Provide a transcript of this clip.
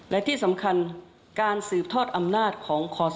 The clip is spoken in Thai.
และที่สำคัญการสืบทอดอำนาจของคศ